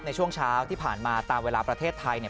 ในช่วงเช้าที่ผ่านมาตามเวลาประเทศไทยเนี่ย